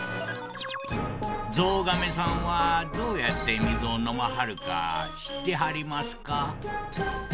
ゾウガメさんはどうやってみずをのまはるかしってはりますか？